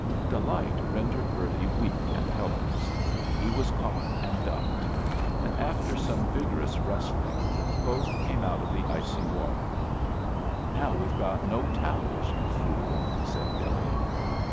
Delight rendered Bertie weak and helpless; he was caught and ducked; and after some vigorous wrestling both came out of the icy water. "Now we've got no towels, you fool," said Billy.